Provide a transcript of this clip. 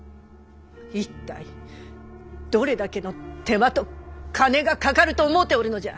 一体どれだけの手間と金がかかると思うておるのじゃ！